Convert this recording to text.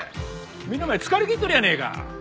みんなお前疲れきっとるやねえか。